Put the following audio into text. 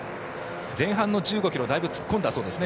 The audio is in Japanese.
前半の１５ｋｍだいぶ突っ込んだそうですね。